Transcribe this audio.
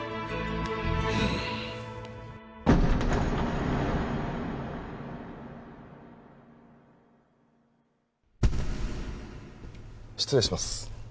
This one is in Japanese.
うん失礼します